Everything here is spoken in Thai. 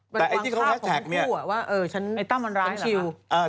มันวางภาพของคุณคู่อะว่าฉันชิวแต่ที่เขาแฮชแท็กเนี่ย